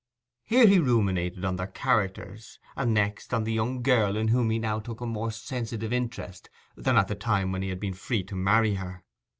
Here he ruminated on their characters, and next on the young girl in whom he now took a more sensitive interest than at the time when he had been free to marry her.